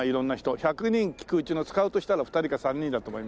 １００人聞くうちの使うとしたら２人か３人だと思いますが。